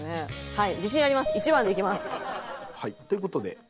はい。